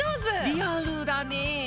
リアルだね。